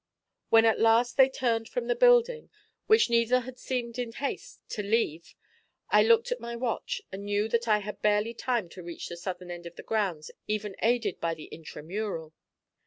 When at last they turned from the building, which neither had seemed in haste to leave, I looked at my watch, and knew that I had barely time to reach the southern end of the grounds even aided by the Intramural.